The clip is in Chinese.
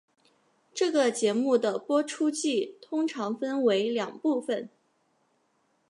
这个节目的播出季通常分为两部份。